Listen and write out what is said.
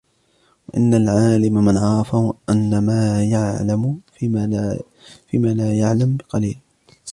وَإِنَّ الْعَالِمَ مَنْ عَرَفَ أَنَّ مَا يَعْلَمُ فِيمَا لَا يَعْلَمُ قَلِيلٌ